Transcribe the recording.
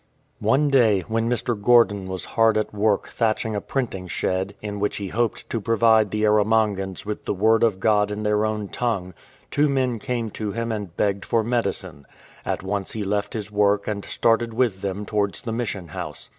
One day, when Mr. Gordon was hard at work thatching a printing shed, in which he hoped to provide the Erro mangans with the Word of God in their own tongue, two men came to him and begged for medicine. At once he left his work and started with them towards the Mission House.